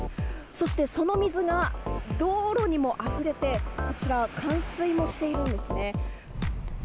そして、その水が道路にもあふれて、こちら、冠水もしているんですね。